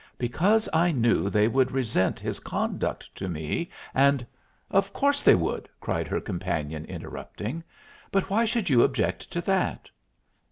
"Because I knew they would resent his conduct to me, and " "Of course they would," cried her companion, interrupting. "But why should you object to that?"